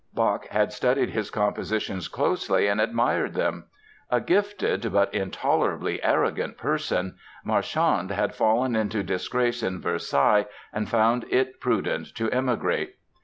Bach had studied his compositions closely and admired them. A gifted but intolerably arrogant person, Marchand had fallen into disgrace in Versailles and found it prudent to emigrate.